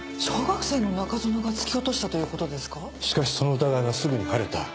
しかしその疑いはすぐに晴れた。